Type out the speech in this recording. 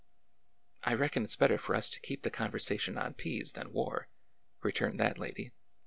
" I reckon it 's better for us to keep the conversation on peas than war," returned that lady.